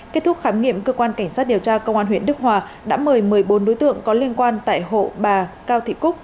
kết thúc khám nghiệm cơ quan cảnh sát điều tra công an huyện đức hòa đã mời một mươi bốn đối tượng có liên quan tại hộ bà cao thị cúc